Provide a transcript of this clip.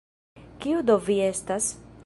Kiu do vi estas?